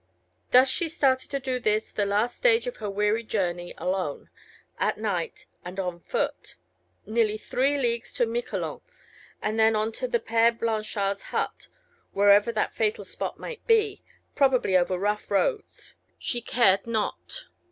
Thus she started to do this, the last stage of her weary journey, alone, at night, and on foot. Nearly three leagues to Miquelon, and then on to the Père Blanchard's hut, wherever that fatal spot might be, probably over rough roads: she cared not.